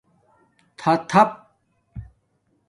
تھاتھپ